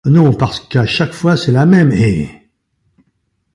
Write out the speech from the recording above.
Non parce qu’à chaque fois, c’est la même, hé !